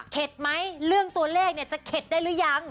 ไหมเรื่องตัวเลขเนี่ยจะเข็ดได้หรือยัง